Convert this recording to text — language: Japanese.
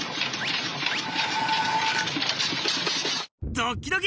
ドキドキ。